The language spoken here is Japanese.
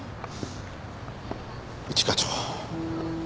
一課長。